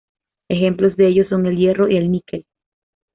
Ejemplos de ellos son el hierro y el níquel.